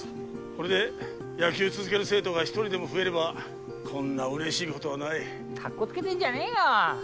これで野球続ける生徒が一人でも増えればこんな嬉しいことはないカッコつけてんじゃねえよ